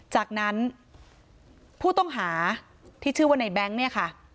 จากนั้นผู้ต้องหาที่ชื่อว่าในแบงค์เนี่ยค่ะ